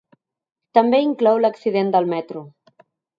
També inclou l’accident del metro.